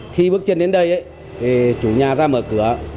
khi bước trên đến đây chủ nhà ra mở cửa